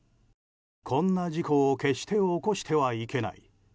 こんな事故を決して起こしてはいけない。